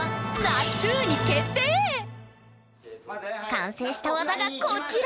完成した技がこちら！